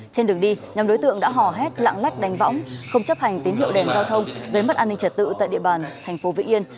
trên đường đi nhóm đối tượng đã hò hét lạng lách đánh võng không chấp hành tín hiệu đèn giao thông gây mất an ninh trật tự tại địa bàn thành phố vĩnh yên